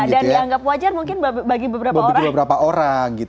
dan dianggap wajar mungkin bagi beberapa orang